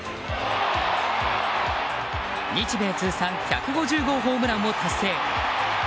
日米通算１５０号ホームランを達成。